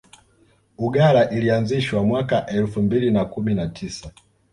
uggala ilianzishwa mwaka elfu mbili na kumi na tisa